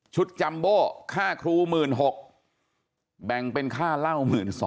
จัมโบ้ค่าครู๑๖๐๐แบ่งเป็นค่าเหล้า๑๒๐๐